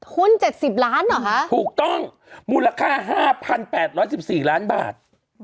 คุณ๗๐ล้านเหรอคะถูกต้องมูลค่า๕๘๑๔ล้านบาท